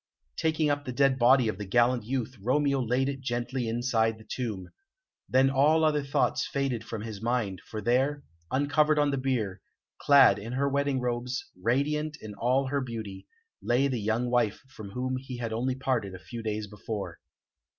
Taking up the dead body of the gallant youth, Romeo laid it gently inside the tomb. Then all other thoughts faded from his mind, for there, uncovered on the bier, clad in her wedding robes, radiant in all her beauty, lay the young wife from whom he had only parted a few days before.